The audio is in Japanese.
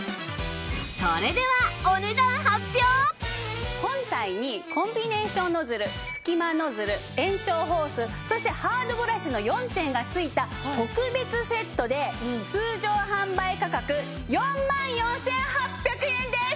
それでは本体にコンビネーションノズル隙間ノズル延長ホースそしてハードブラシの４点が付いた特別セットで通常販売価格４万４８００円です！